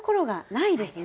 ないですね。